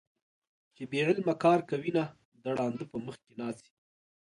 چې بې علمه کار کوينه - د ړانده په مخ کې ناڅي